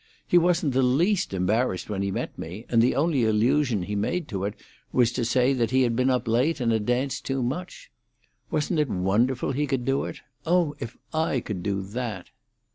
He wasn't the least embarrassed when he met me, and the only allusion he made to it was to say that he had been up late, and had danced too much. Wasn't it wonderful he could do it? Oh, if I could do that!"